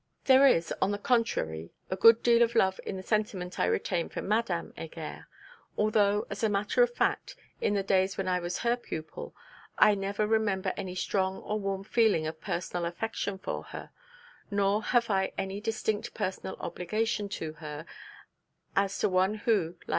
There is, on the contrary, a good deal of love in the sentiment I retain for Madame Heger, although, as a matter of fact, in the days when I was her pupil I never remember any strong or warm feeling of personal affection for her; nor have I any distinct personal obligation to her, as to one who, like M.